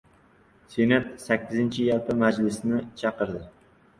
Senat sakkizinchi yalpi majlisini chaqirdi